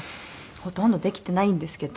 ほとんどできてないんですけど。